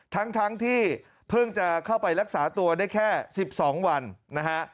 ทั้งที่เพิ่งจะเข้าไปรักษาตัวได้แค่๑๒วันนะฮะ